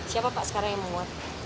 siapa pak sekarang yang menguat